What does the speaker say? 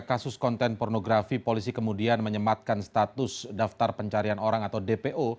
kasus konten pornografi polisi kemudian menyematkan status daftar pencarian orang atau dpo